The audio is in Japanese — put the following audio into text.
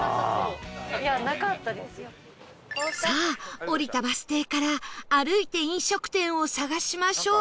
さあ降りたバス停から歩いて飲食店を探しましょう